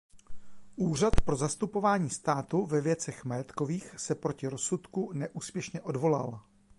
Úřad pro zastupování státu ve věcech majetkových se proti rozsudku neúspěšně odvolal.